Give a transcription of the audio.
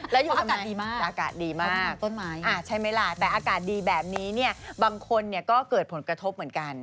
แล้วอยู่อากาศดีมากอากาศดีมากต้นไม้ใช่ไหมล่ะแต่อากาศดีแบบนี้เนี่ยบางคนเนี่ยก็เกิดผลกระทบเหมือนกัน